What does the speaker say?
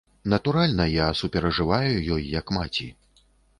Натуральна, я суперажываю ёй як маці.